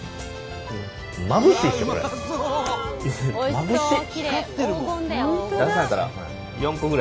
まぶしい！